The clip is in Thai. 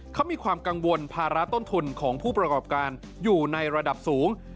เขามีความกังวลภาระต้นทุนของผู้ประกอบการอยู่ในระดับสูง